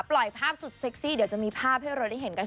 ปล่อยภาพสุดเซ็กซี่เดี๋ยวจะมีภาพให้เราได้เห็นกัน